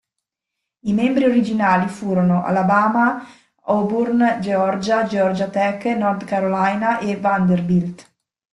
I membri originali furono Alabama, Auburn, Georgia, Georgia Tech, North Carolina, e Vanderbilt.